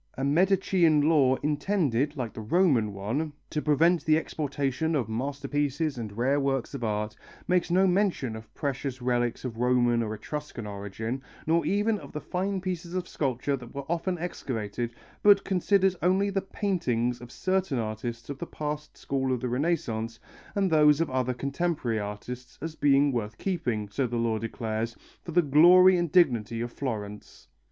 A Medicean law intended, like the Roman one, to prevent the exportation of masterpieces and rare works of art, makes no mention of precious relics of Roman or Etruscan origin, nor even of the fine pieces of sculpture that were often excavated, but considers only the paintings of certain artists of the past school of the Renaissance and those of other contemporary artists, as being worth keeping, so the law declares, for the glory and dignity of Florence.